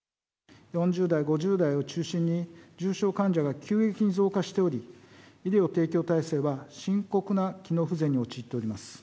４０代、５０代を中心に、重症患者が急激に増加しており、医療提供体制は、深刻な機能不全に陥っております。